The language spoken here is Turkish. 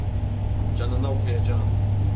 Canına okuyacağım!